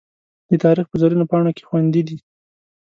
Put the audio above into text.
د تاریخ په زرینو پاڼو کې خوندي دي.